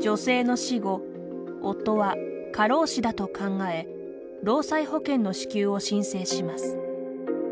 女性の死後夫は過労死だと考え労災保険の支給を申請します。